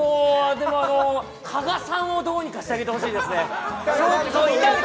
加賀さんをどうにかしてあげてほしいですね。